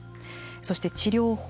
そして治療法。